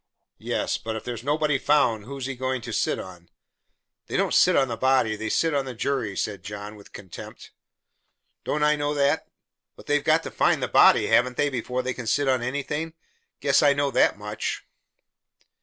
"Yes, but if there's nobody found, who's he goin' to sit on?" "They don't sit on the body, they sit on the jury," said John, with contempt. "Don't I know that? But they've got to find the body, haven't they, before they can sit on anything? Guess I know that much."